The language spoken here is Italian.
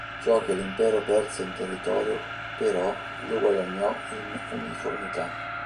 Ciò che l'Impero perse in territorio, però, lo guadagnò in uniformità.